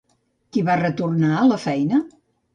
Qui va retornar a la feina?